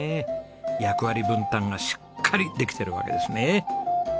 役割分担がしっかりできてるわけですね。